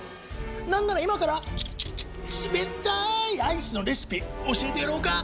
何なら今から冷たいアイスのレシピ教えてやろうか？